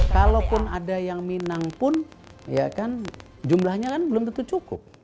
kalaupun ada yang minang pun ya kan jumlahnya kan belum tentu cukup